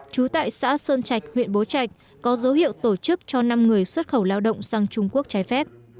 trú tại xã sơn trạch huyện bố trạch có dấu hiệu tổ chức cho năm người xuất khẩu lao động sang trung quốc trái phép